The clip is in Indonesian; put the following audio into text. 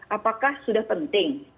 apakah sudah penting